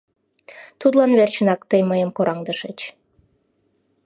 — Тудлан верчынак тый мыйым кораҥдышыч.